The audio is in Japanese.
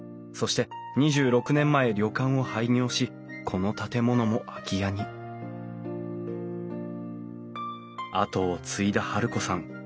そして２６年前旅館を廃業しこの建物も空き家に跡を継いだ治子さん。